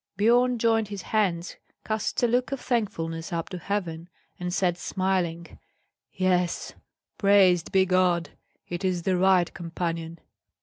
Biorn joined his hands, cast a look of thankfulness up to heaven, and said, smiling, "Yes, praised be God! it is the right companion!